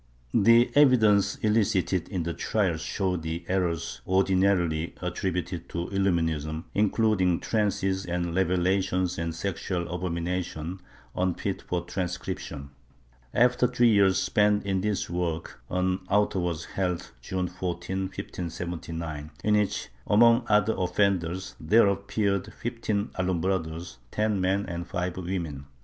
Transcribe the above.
The evidence elicited in the trials showed the errors ordinarily attributed to Illuminism, including trances and revelations and sexual abominations unfit for transcription. After three years spent in this work, an auto was held, June 14, 1579, in which, among other offenders, there appeared fifteen Alumbrados — ten men and five women.